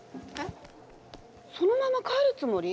そのまま帰るつもり？